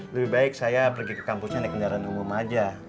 lebih baik saya pergi ke kampusnya naik kendaraan umum aja